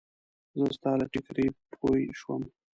زه ستا له ټیکري پوی شوم.